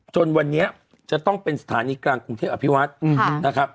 จนวันนี้จะต้องเป็นสถานีกลางกรุงเทพอภิวัฒน์นะครับ